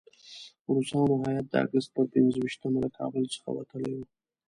روسانو هیات د اګست پر پنځه ویشتمه له کابل څخه وتلی وو.